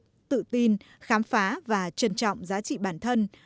tự tin khám phá và trân trọng giá trị bản thân